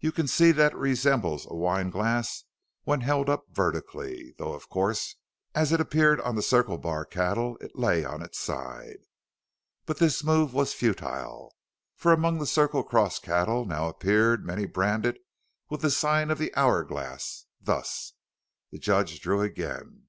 You can see that it resembles a wine glass when held up vertically, though of course as it appeared on the Circle Bar cattle it lay on its side. But this move was futile, for among the Circle Cross cattle now appeared many branded with the sign of the 'Hour Glass,' thus:" The judge drew again.